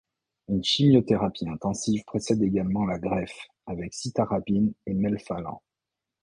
Une chimiothérapie intensive précède également la greffe, avec cytarabine et melphalan.